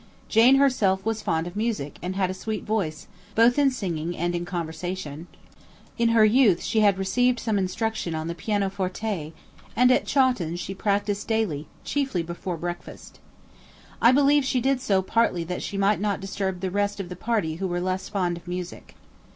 Jane herself was fond of music, and had a sweet voice, both in singing and in conversation; in her youth she had received some instruction on the pianoforte; and at Chawton she practised daily, chiefly before breakfast. I believe she did so partly that she might not disturb the rest of the party who were less fond of music.